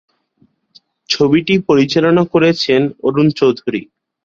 ছবিটি পরিচালনা করছেন অরুণ চৌধুরী।